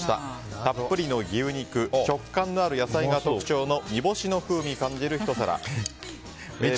たっぷりの牛肉食感のある野菜が特徴の煮干しの風味感じるひと皿。